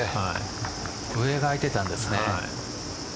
上が空いてたんですね。